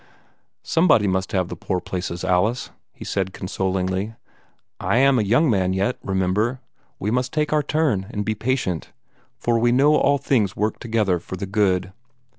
"Somebody must have the poor places, Alice," he said consolingly. "I am a young man yet, remember. We must take our turn, and be patient. For 'we know that all things work together for good.'"